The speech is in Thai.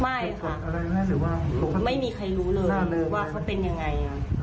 ไม่ค่ะไม่มีใครรู้เลยว่าเขาเป็นยังไง